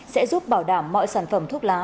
sẽ giúp bảo đảm mọi sản phẩm thuốc lá